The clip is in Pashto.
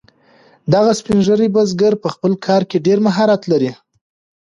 دغه سپین ږیری بزګر په خپل کار کې ډیر مهارت لري.